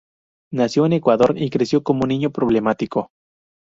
Nació en Ecuador, y creció como un niño problemático.